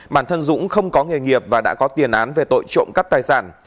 bản thân dũng không có nghề nghiệp và đã có tiền án về tội trộm cắp tài sản